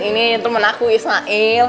ini temen aku ismail